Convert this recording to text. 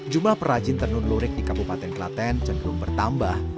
jumlah perajin tenun lurik di kabupaten klaten cenderung bertambah